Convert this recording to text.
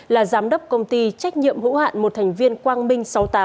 là giám đốc công ty trách nhiệm hữu hạn một thành viên quang minh sáu mươi tám